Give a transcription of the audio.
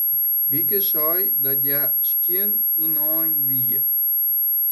Wieke sei dat hja skjin ynein wie.